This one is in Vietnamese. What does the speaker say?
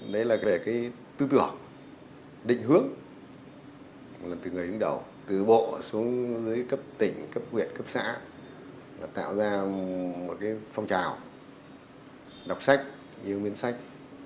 đấy là cái tư tưởng định hước là từ người đứng đầu từ bộ xuống dưới cấp tỉnh cấp quyện cấp xã là tạo ra một cái phong trào đọc sách nhiều nguyên sách